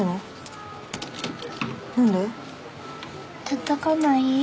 たたかない？